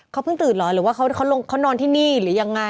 เขาเพิ่งตื่นเหรอหรือว่าเขานอนที่นี่หรือยังไง